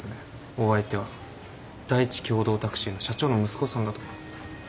お相手は第一共同タクシーの社長の息子さんだとか。